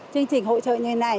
chương trình hỗ trợ như thế này